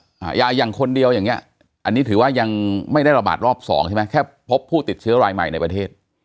อ่ายาอย่างคนเดียวอย่างเงี้ยอันนี้ถือว่ายังไม่ได้ระบาดรอบสองใช่ไหมแค่พบผู้ติดเชื้อรายใหม่ในประเทศ